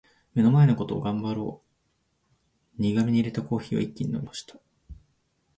「目の前のことを頑張ろう」苦めに淹れた残りのコーヒーを一気に飲み干した。